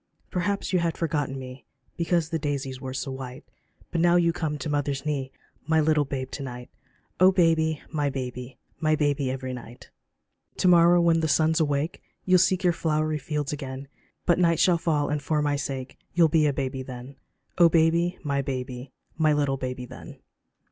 Perhaps you had forgotten me Because the daisies were so white, But now you come to mother's knee, My little babe to night j Oh baby, my baby I My baby every night. To morrow when the sun's awake You'll seek your flowery fields again. But night shall fall, and for my sake You'll be a baby then ; Oh baby, my baby I My little baby then.